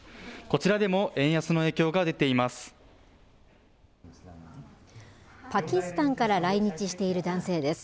こちらでも円安の影響が出ています。